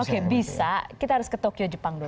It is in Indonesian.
oke bisa kita harus ke tokyo jepang dulu